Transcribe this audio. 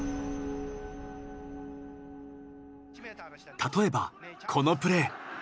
例えばこのプレー。